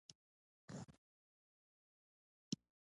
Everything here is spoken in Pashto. د نوي حکومت د جوړیدو لپاره